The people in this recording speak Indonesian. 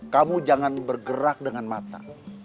kamu jangan bergerak dengan mata